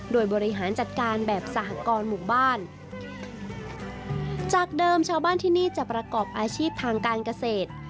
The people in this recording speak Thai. โดยบริหารจัดการแบบสหกรหมู่บ้านจากเดิมชาวบ้านที่นี่จะประกอบอาชีพทางการเกษตร